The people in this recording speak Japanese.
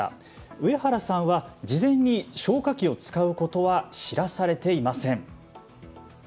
上原さんは、事前に消火器を使うことは知らされていません。